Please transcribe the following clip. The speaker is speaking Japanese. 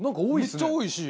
めっちゃ多いし。